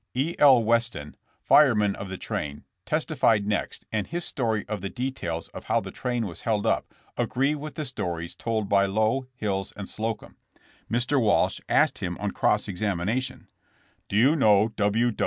E. L. Weston, fireman of the train, testified next and his story of the details of how the train was held up agree with the stories told by Lowe, Hills and Slocum. Mr. Walsh asked him on cross exam ination : "Do you know W.